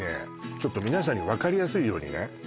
ちょっと皆さんに分かりやすいようにね